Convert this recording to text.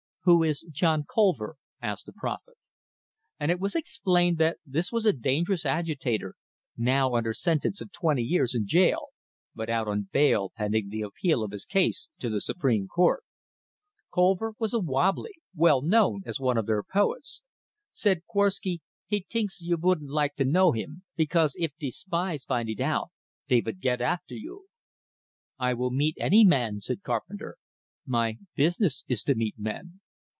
"Who is John Colver?" asked the prophet. And it was explained that this was a dangerous agitator, now under sentence of twenty years in jail, but out on bail pending the appeal of his case to the supreme court. Colver was a "wobbly," well known as one of their poets. Said Korwsky, "He tinks you vouldn't like to know him, because if de spies find it out, dey vould git after you." "I will meet any man," said Carpenter. "My business is to meet men."